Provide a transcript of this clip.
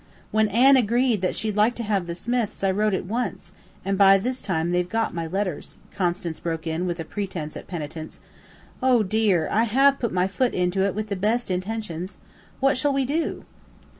When Anne agreed that she'd like to have the Smiths I wrote at once; and by this time they've got my letters," Constance broke in with a pretence at penitence. "Oh, dear, I have put my foot into it with the best intentions! What shall we do?"